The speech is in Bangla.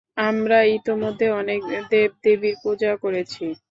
আমরা ইতোমধ্যে অনেক দেব-দেবীর পূজা করেছি।